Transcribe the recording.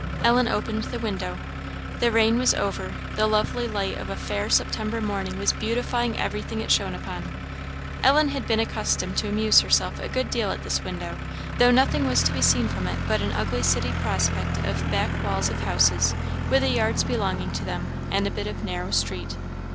Ellen opened the window. The rain was over; the lovely light of a fair September morning was beautifying everything it shone upon. Ellen had been accustomed to amuse herself a good deal at this window, though nothing was to be seen from it but an ugly city prospect of back walls of houses, with the yards belonging to them, and a bit of narrow street.